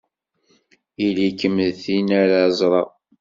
Ili-kem d tin ara ẓreɣ!